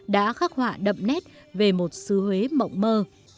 đã khắc họa đậm nét về một xứ huế mộng mơ